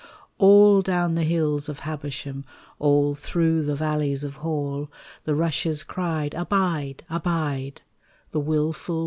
All down the hills of Habersham, All through the valleys of Hall, The rushes cried Abide, abide, The wilful.